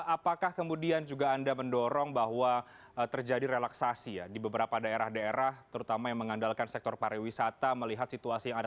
apakah kemudian juga anda mendorong bahwa terjadi relaksasi ya di beberapa daerah daerah terutama yang mengandalkan sektor pariwisata melihat situasi yang ada